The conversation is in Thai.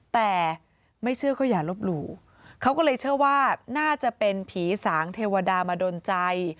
แต่ไม่เชื่อก็อย่าลบหลู่เขาก็เลยเชื่อว่าน่าจะเป็นผีสางเทวดามาดนใจ